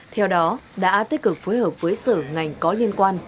theo đó đã tích cực phối hợp với sở ngành có liên quan